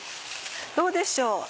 どうでしょう？